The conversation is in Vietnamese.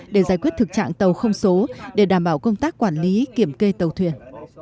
để giải quyết thực trạng tàu không số để đảm bảo công tác quản lý kiểm kê tàu thuyền